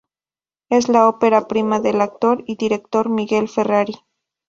Es la ópera prima del actor y director Miguel Ferrari.